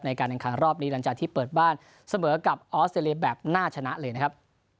การแข่งขันรอบนี้หลังจากที่เปิดบ้านเสมอกับออสเตรเลียแบบน่าชนะเลยนะครับ